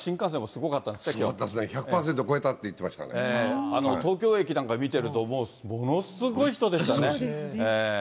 すごかったですね、１００％東京駅なんか見てると、もうものすごい人でしたね。